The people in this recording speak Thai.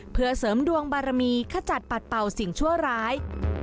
เพื่อเสริมดวงบารมีขจัดปัดเป่าสิ่งชั่วร้าย